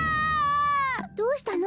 どうしたの？